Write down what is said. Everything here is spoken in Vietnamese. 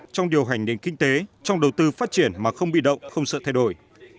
trong điều hành nền kinh tế trong đầu tư phát triển mà không bị động không sợ thay đổi